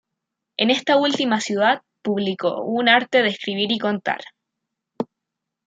En esta última ciudad publicó un "Arte de escribir y contar.